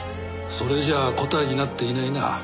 それじゃあ答えになっていないな。